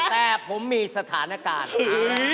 แต่ผมมีสถานการณ์